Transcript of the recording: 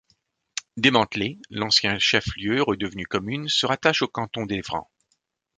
Démantelé, l'ancien chef-lieu redevenu commune se rattache au canton d'Evran.